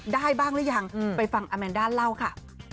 ได้บ้างหรือยังไปฟังอาแมนด้าเล่าค่ะ